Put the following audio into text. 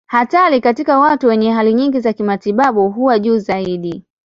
Hatari katika watu wenye hali nyingi za kimatibabu huwa juu zaidi.